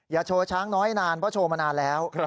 อย่าโชว์ช้างน้อยนานเพราะมีมานานแล้ว